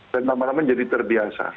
dan sama sama jadi terbiasa